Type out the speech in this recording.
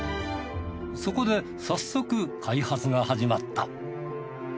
そこで早速開発が始まった。